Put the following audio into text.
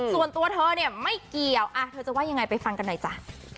ส่วนตัวเธอเนี่ยไม่เกี่ยวเธอจะว่ายังไงไปฟังกันหน่อยจ้ะ